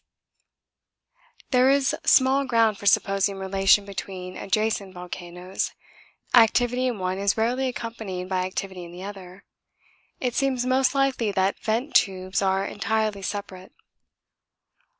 There is small ground for supposing relation between adjacent volcanoes activity in one is rarely accompanied by activity in the other. It seems most likely that vent tubes are entirely separate.